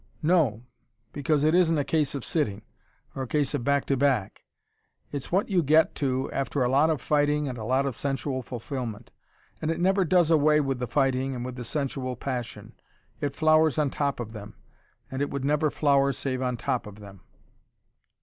"No because it isn't a case of sitting or a case of back to back. It's what you get to after a lot of fighting and a lot of sensual fulfilment. And it never does away with the fighting and with the sensual passion. It flowers on top of them, and it would never flower save on top of them."